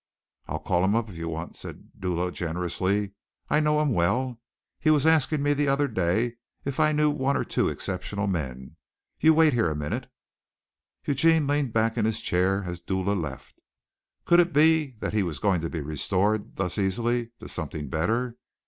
"I'll call him up, if you want," said Dula generously. "I know him well. He was asking me the other day if I knew one or two exceptional men. You wait here a minute." Eugene leaned back in his chair as Dula left. Could it be that he was going to be restored thus easily to something better?